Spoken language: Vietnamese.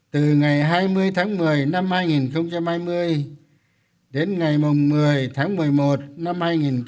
từ ngày hai mươi tháng một mươi năm hai nghìn hai mươi đến ngày một mươi tháng một mươi một năm hai nghìn hai mươi